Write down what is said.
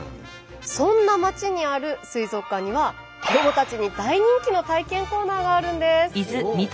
そんな町にある水族館には子どもたちに大人気の体験コーナーがあるんです。